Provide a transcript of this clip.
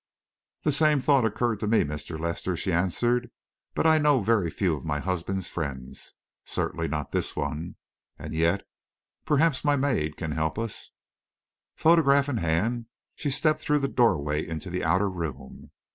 "The same thought occurred to me, Mr. Lester," she answered; "but I know very few of my husband's friends; certainly not this one. And yet.... Perhaps my maid can help us." Photograph in hand, she stepped through the doorway into the outer room.